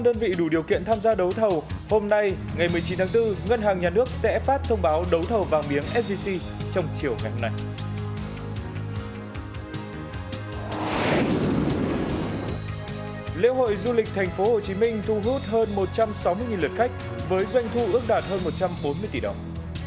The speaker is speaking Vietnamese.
liễu hội du lịch thành phố hồ chí minh thu hút hơn một trăm sáu mươi lượt khách với doanh thu ước đạt hơn một trăm bốn mươi tỷ đồng